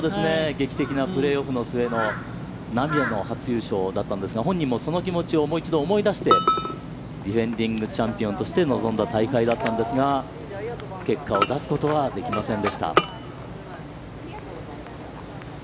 劇的なプレーオフの末の、涙の初優勝だったんですが、本人もその気持ちをもう一度思い出してディフェンディングチャンピオンとして臨んだ大会だったんですが、結果を出すことはできませんでした。